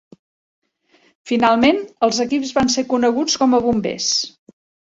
Finalment, els equips van ser coneguts com a Bombers.